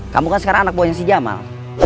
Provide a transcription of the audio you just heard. kamu kan sekarang anak buahnya si jamal